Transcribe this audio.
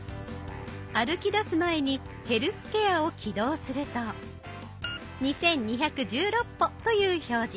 歩き出す前に「ヘルスケア」を起動すると「２，２１６歩」という表示。